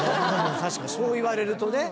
確かにそう言われるとね。